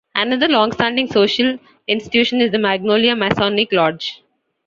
Another long-standing social institution is the Magnolia Masonic Lodge.